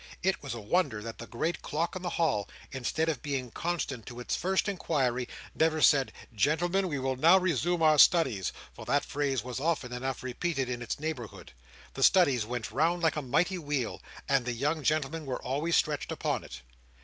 It was a wonder that the great clock in the hall, instead of being constant to its first inquiry, never said, "Gentlemen, we will now resume our studies," for that phrase was often enough repeated in its neighbourhood. The studies went round like a mighty wheel, and the young gentlemen were always stretched upon it.